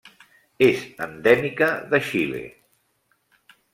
És endèmica de Xile.